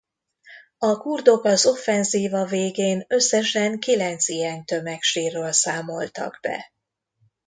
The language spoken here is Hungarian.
A kurdok az offenzíva végén összesen kilenc ilyen tömegsírról számoltak be.